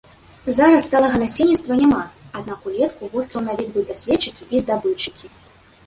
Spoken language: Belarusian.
Зараз сталага насельніцтва няма, аднак улетку востраў наведваюць даследчыкі і здабытчыкі.